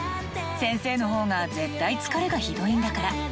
先生のほうが絶対疲れがひどいんだから。